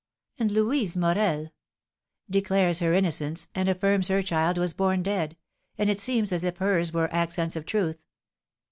And Louise Morel " "Declares her innocence, and affirms her child was born dead; and it seems as if hers were accents of truth.